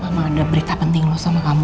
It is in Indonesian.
emang ada berita penting loh sama kamu